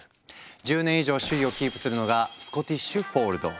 １０年以上首位をキープするのが「スコティッシュ・フォールド」。